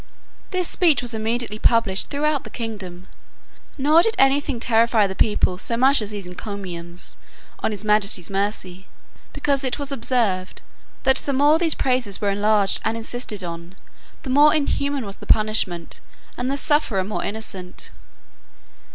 This speech was immediately published throughout the kingdom; nor did any thing terrify the people so much as those encomiums on his majesty's mercy; because it was observed, that the more these praises were enlarged and insisted on, the more inhuman was the punishment, and the sufferer more innocent.